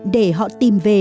để họ tìm về